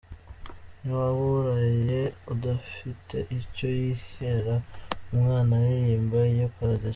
N’uwaburaye udafite icyo yihera umwana aririmba iyo paradizo.